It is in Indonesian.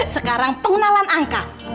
sekarang pengenalan angka